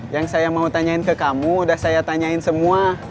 yang saya mau tanyain ke kamu udah saya tanyain semua